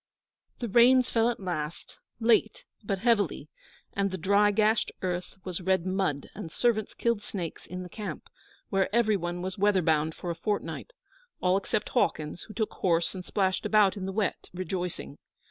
The Rains fell at last, late, but heavily; and the dry, gashed earth was red mud, and servants killed snakes in the camp, where every one was weather bound for a fortnight all except Hawkins, who took horse and splashed about in the wet, rejoicing.